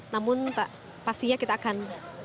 namun pastinya kita akan